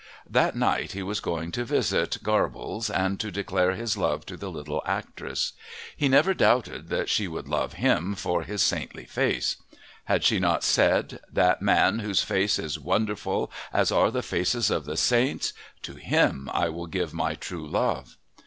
That night he was going to visit Garble's and to declare his love to the little actress. He never doubted that she would love him for his saintly face. Had she not said, "That man whose face is wonderful as are the faces of the saints, to him I will give my true love"?